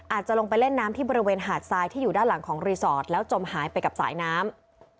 อาจจะลงไปเล่นน้ำที่บริเวณหาดทรายที่อยู่ด้านหลังของรีสอร์ทแล้วจมหายไปกับสายน้ำ